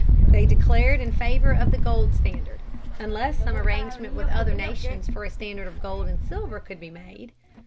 They declared in favor of the gold standard, unless some arrangement with other nations for a standard of gold and silver could be made.